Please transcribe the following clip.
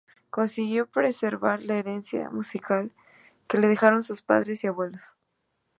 Consiguió preservar la herencia musical que le dejaron sus padres y abuelos.